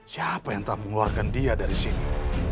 siapa yang tak mengeluarkan dia dari sini